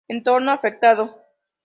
Entorno afectado